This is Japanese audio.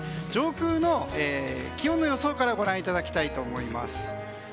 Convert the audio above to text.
上空の気温の予想からご覧いただきたいと思います。